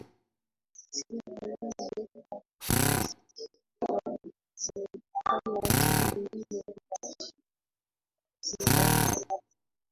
Sera hizo kwa kiasi kikubwa zimeifanya nchi hiyo kushika nafasi ya pili Afrika